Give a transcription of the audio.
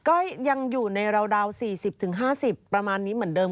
ก็ยังอยู่ในราว๔๐๕๐ประมาณนี้เหมือนเดิม